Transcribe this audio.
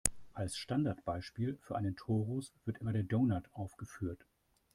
Als Standardbeispiel für einen Torus wird immer der Donut aufgeführt.